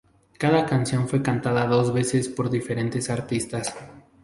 Cada canción fue cantada dos veces por diferentes artistas.